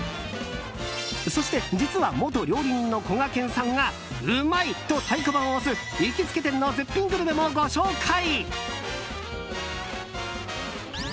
そして、実は元料理人のこがけんさんがうまい！と太鼓判を押す行きつけ店の絶品グルメもご紹介。